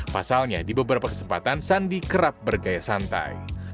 pasalnya di beberapa kesempatan sandi kerap bergaya santai